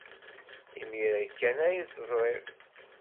Imir-a kan ay t-ẓriɣ.